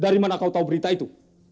dari mana kau tahu berita itu